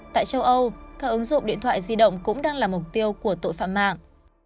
tại châu âu các ứng dụng điện thoại di động cũng đang là mục tiêu của tội phạm mạng